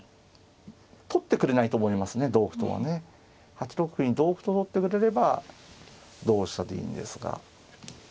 ８六歩に同歩と取ってくれれば同飛車でいいんですが。